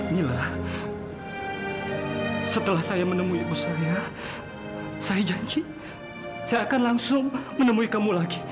mila setelah saya menemui ibu saya saya janji saya akan langsung menemui kamu lagi